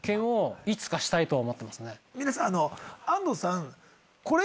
皆さん。